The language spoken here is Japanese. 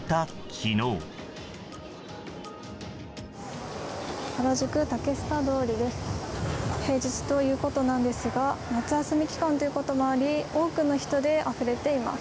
平日ということなんですが夏休み期間ということもあり多くの人であふれています。